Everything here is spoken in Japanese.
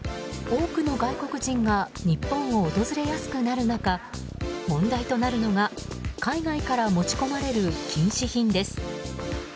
多くの外国人が日本を訪れやすくなる中問題となるのが海外から持ち込まれる禁止品です。